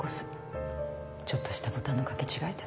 ちょっとしたボタンの掛け違いで。